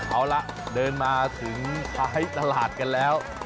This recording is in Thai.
เอาละเดินมาถึงท้ายตลาดกันแล้ว